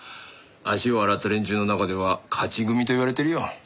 足を洗った連中の中では勝ち組と言われてるよ。